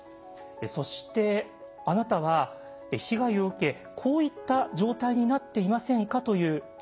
そしてあなたは被害を受けこういった状態になっていませんか？というチェックリストもあります。